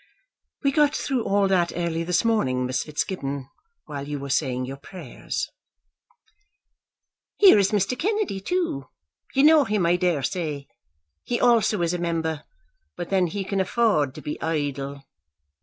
"We got through all that early this morning, Miss Fitzgibbon, while you were saying your prayers." "Here is Mr. Kennedy too; you know him I daresay. He also is a member; but then he can afford to be idle."